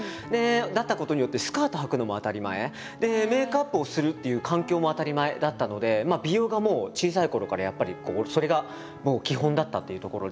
だったことによってメイクアップをするっていう環境も当たり前だったので美容がもう小さいころからやっぱりそれが基本だったっていうところで。